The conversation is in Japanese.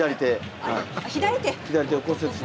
左手。